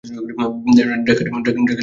Dagger three প্রতিহত করছি।